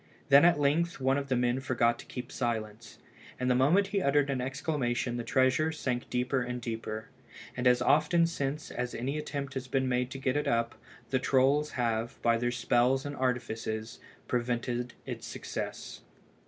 Then at length one of the men forgot to keep silence, and the moment he uttered an exclamation the treasure sank deeper and deeper, and as often since as any attempt has been made to get it up, the trolls have, by their spells and artifices, prevented its success.